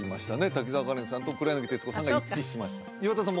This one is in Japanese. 滝沢カレンさんと黒柳徹子さんが一致しました岩田さん